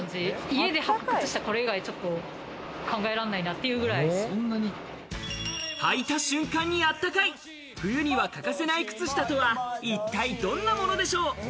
家で履く靴下、これ以外ちょっと考えられないなっていうくらい。はいた瞬間にあったかい冬には欠かせない靴下とは、一体どんなものでしょう？